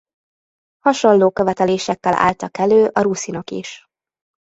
Hasonló követelésekkel álltak elő a ruszinok is.